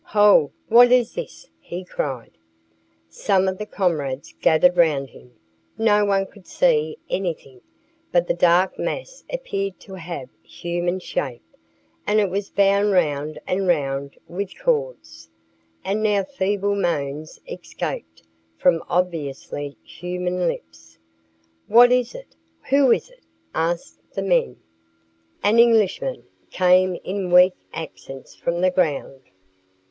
"Hold! What is this?" he cried. Some of his comrades gathered round him. No one could see anything, but the dark mass appeared to have human shape, and it was bound round and round with cords. And now feeble moans escaped from obviously human lips. "What is it? Who is it?" asked the men. "An Englishman," came in weak accents from the ground.